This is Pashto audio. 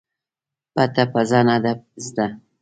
پټه پڅه نه ده زده.